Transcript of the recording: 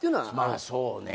まあそうね。